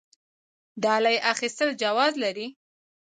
ډالۍ اخیستل جواز لري؟